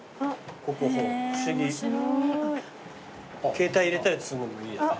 携帯入れたりするのにいい。